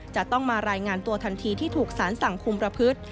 จะต้องมารายงานตัวทันทีที่ถูกสารสั่งคุมประพฤติ